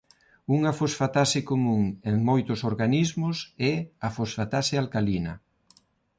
Unha fosfatase común en moitos organismos é a fosfatase alcalina.